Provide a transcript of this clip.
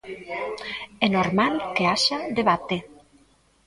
É normal que haxa debate.